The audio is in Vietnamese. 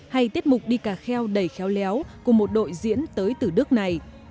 hay tiết mục đi cà kheo đầy khéo léo của một đội diễn tới từ nước này